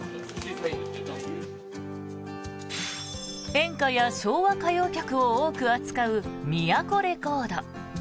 演歌や昭和歌謡曲を多く扱うミヤコレコード。